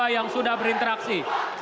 yang sudah berinteraksi